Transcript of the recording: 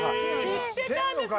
知ってんのかよ。